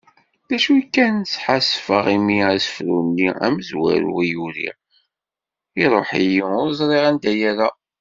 D acu kan, sḥassfeɣ imi asefru-nni amezwaru i uriɣ, iruḥ-iyi, ur ẓriɣ anda yerra.